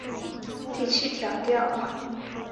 第七条第二款